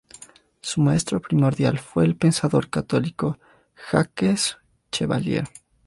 Su maestro primordial fue el pensador católico Jacques Chevalier.